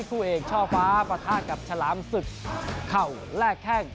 คู่เอกช่อฟ้าปะทะกับฉลามศึกเข่าแลกแข้ง